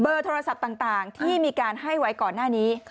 โทรศัพท์ต่างที่มีการให้ไว้ก่อนหน้านี้